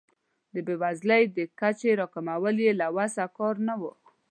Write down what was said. د بیوزلۍ د کچې راکمول یې له وس کار نه و.